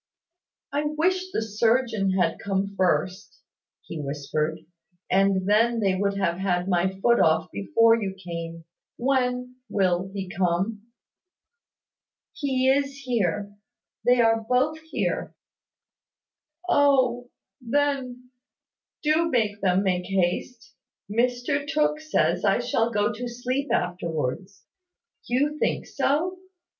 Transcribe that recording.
"I wish the surgeon had come first," he whispered, "and then they would have had my foot off before you came. When will he come?" "He is here, they are both here." "Oh, then, do make them make haste. Mr Tooke says I shall go to sleep afterwards. You think so?